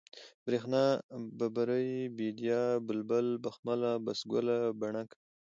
برېښنا ، ببرۍ ، بېديا ، بلبله ، بخمله ، بسوگله ، بڼکه